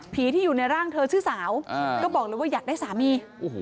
ที่อยู่ในร่างเธอชื่อสาวก็บอกเลยว่าอยากได้สามี